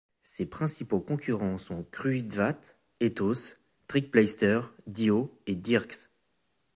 Ses principaux concurrents sont Kruidvat, Etos, Trekpleister, Dio et Dirx.